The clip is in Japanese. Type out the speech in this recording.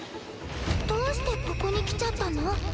どうしてここに来ちゃったの？